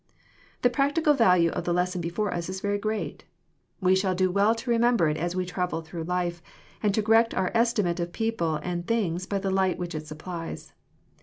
The practical value of the lesson before us is very great. We shall do well to remember it as we travel through life, and to correct our estimate of people and things by the light which it supplies.